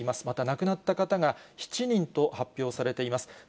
また亡くなった方が７人と発表されています。